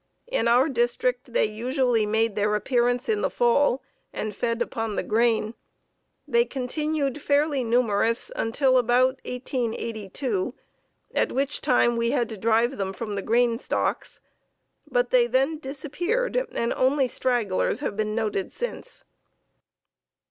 In our district they usually made their appearance in the fall and fed upon the grain. They continued fairly numerous until about 1882, at which time we had to drive them from the grain stocks, but they then disappeared and only stragglers have been noted since."